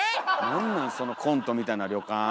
なんなんそのコントみたいな旅館。